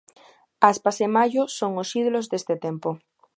Aspas e Mallo son os ídolos deste tempo.